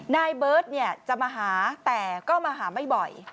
นายเบิร์ตจะมาหาแต่ก็มาหาไม่บ่อย